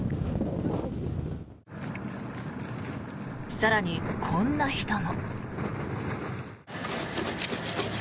更に、こんな人も。